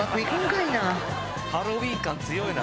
ハロウィーン感強いな。